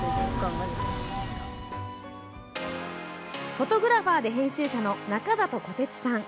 フォトグラファーで編集者の中里虎鉄さん。